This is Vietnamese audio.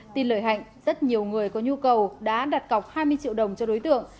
tin lợi hạnh rất nhiều người có nhu cầu đã đặt cọc hai mươi triệu đồng cho đối tượng